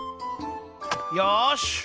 よし！